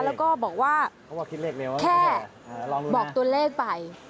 แล้วก็บอกว่าแค่บอกตัวเลขไป